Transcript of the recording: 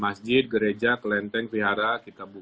masjid gereja kelenteng vihara kita buka